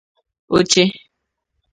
oche